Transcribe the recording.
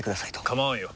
構わんよ。